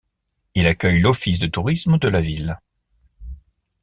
Il accueille l'office de tourisme de la ville.